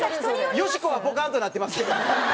よしこはポカンとなってますけど。